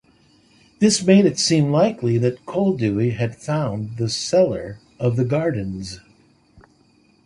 This made it seem likely that Koldewey had found the cellar of the gardens.